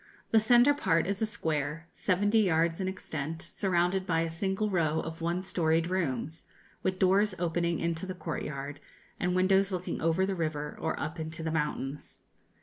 The centre part is a square, seventy yards in extent, surrounded by a single row of one storied rooms, with doors opening into the courtyard, and windows looking over the river or up into the mountains.